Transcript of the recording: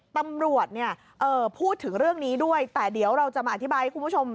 ตำรวจเนี่ยพูดถึงเรื่องนี้ด้วยแต่เดี๋ยวเราจะมาอธิบายให้คุณผู้ชม